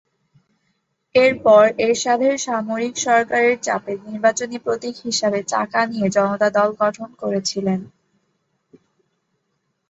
এর পর এরশাদের সামরিক সরকারের চাপে নির্বাচনী প্রতীক হিসাবে চাকা নিয়ে জনতা দল গঠন করেছিলেন।